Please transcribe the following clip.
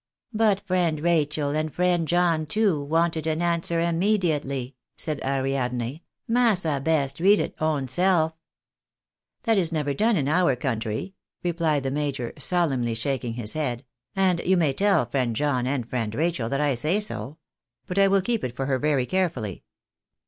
" But friend Rachel, and friend John too, wanted an answer immediately," said Ariadne ;" massa best read it own self." 262 THE BARNABYS IN AMERICA. "That is never done in our country," replied the major, solemnly shaking his head, " and you may tell friend John and friend Eachel that I say so. But I wUl keep it for her very carefully."